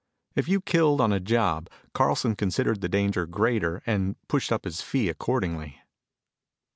If you killed on a job Carlson considered the danger greater and pushed up his fee accordingly.